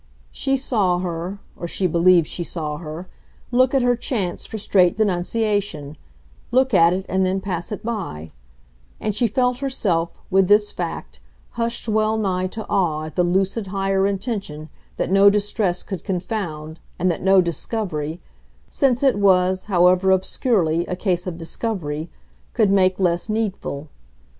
She saw her or she believed she saw her look at her chance for straight denunciation, look at it and then pass it by; and she felt herself, with this fact, hushed well nigh to awe at the lucid higher intention that no distress could confound and that no discovery since it was, however obscurely, a case of "discovery" could make less needful.